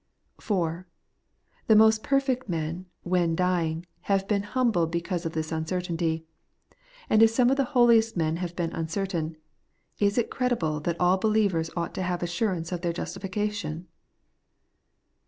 (4) The most perfect men, when dying, have been humbled because of this uncertainty ; and if some of the holiest men have been uncertain, is it credible that all believers ought to have assurance of their justifica tion